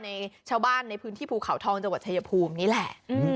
ชาวบ้านในพื้นที่ภูเขาทองจังหวัดชายภูมินี่แหละ